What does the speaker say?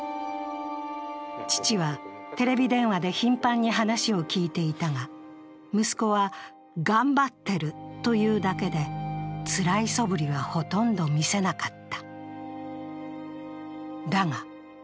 父はテレビ電話で頻繁に話を聞いていたが、息子は頑張ってると言うだけでつらいそぶりはほとんど見せなかった。